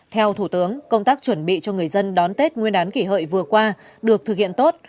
theo thủ tướng công tác chuẩn bị cho người dân đón tết nguyên đán kỷ hợi vừa qua được thực hiện tốt